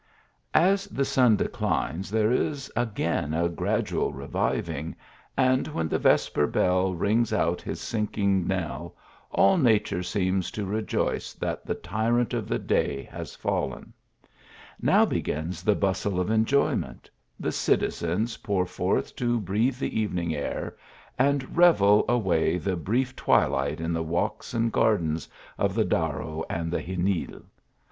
As the sun declines there is again a gradual re viving, and when the vesper bell rings out his sink ing knell, all nature seems to rejoice that the tyrant of the day has fallen. Now begins the bustle of enjoyment. The citi zenlPpour forth to breathe the evening air, and revel away the brief twilight in the walks and gar dens of the Darro and the Xenil.